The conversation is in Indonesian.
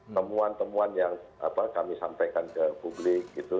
temuan temuan yang kami sampaikan ke publik gitu